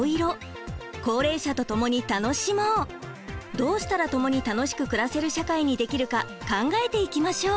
どうしたらともに楽しく暮らせる社会にできるか考えていきましょう！